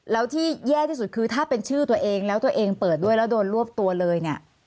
แล้วที่แย่ที่สุดคือถ้าเป็นชื่อตัวเองแล้วตัวเองเปิดด้วยแล้วโดนรวบตัวเลยเนี่ย